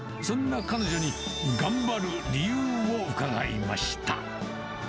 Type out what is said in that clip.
そんな彼女に、頑張る理由を伺いました。